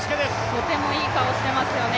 とてもいい顔してますよね。